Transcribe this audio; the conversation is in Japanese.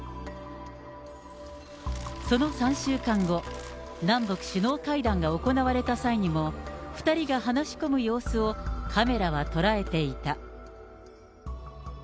その３週間後、南北首脳会談が行われた際にも、２人が話し込む様子をカメラは捉えていた。